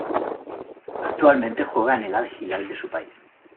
Actualmente juega en el Al-Hilal de su país.